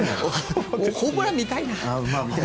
ホームラン見たいな。